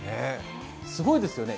すごいですよね。